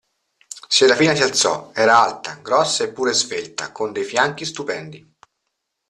Serafina si alzò: era alta, grossa eppure svelta, con dei fianchi stupendi.